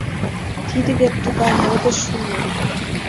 — Тиде вет тугай модыш уло.